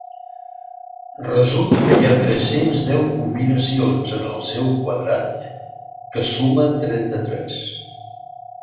Resulta que hi ha tres-cents deu combinacions en el seu quadrat que sumen trenta-tres.